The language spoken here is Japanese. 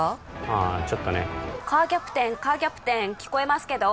ああちょっとねカーキャプテンカーキャプテン聞こえますけど？